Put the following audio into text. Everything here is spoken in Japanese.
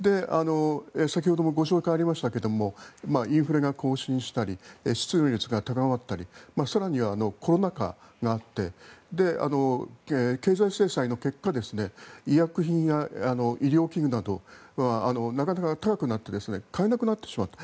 先ほどもご紹介がありましたがインフレが高進したり失業率が高まったり更にコロナ禍があって経済制裁の結果医薬品や医療器具などはなかなか高くなって買えなくなってしまった。